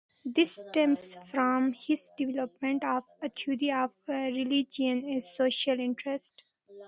This stems from his development of a theory of religion as social interests.